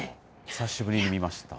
久しぶりに見ました。